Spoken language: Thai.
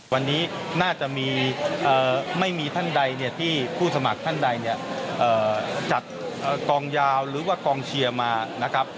วันนี้น่าจะมีไม่มีท่านใดที่ผู้สมัครท่านใดเนี่ยจัดกองยาวหรือว่ากองเชียร์มานะครับ